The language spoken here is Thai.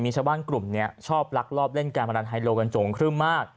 มีชาวบ้านกลุ่มนี้ชอบลักลอบเล่นการพนันไฮโลกันโจ่งครึ่มมาก